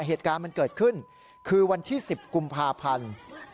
เหตุการณ์มันเกิดขึ้นคือวันที่๑๐กุมภาพันธ์